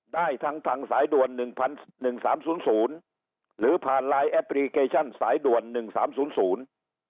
ได้ทั้งทางสายด่วนหนึ่งพันหนึ่งสามศูนย์ศูนย์หรือผ่านไลน์แอปพลิเคชันสายด่วนหนึ่งสามศูนย์ศูนย์